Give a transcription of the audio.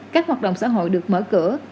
các hoạt động xã hội được mở cửa